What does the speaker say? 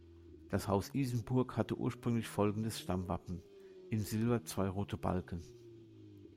Das Haus Isenburg hatte ursprünglich folgendes Stammwappen: "In Silber zwei rote Balken".